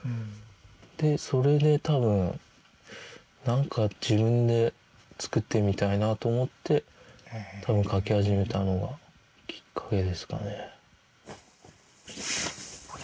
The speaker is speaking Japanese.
でそれで多分何か自分で作ってみたいなと思って多分描き始めたのがきっかけですかね。